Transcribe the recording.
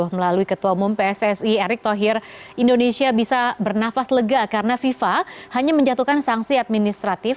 melalui ketua umum pssi erick thohir indonesia bisa bernafas lega karena fifa hanya menjatuhkan sanksi administratif